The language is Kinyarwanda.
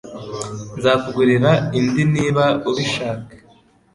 Nzakugurira indi niba ubishaka